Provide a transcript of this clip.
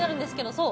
そう！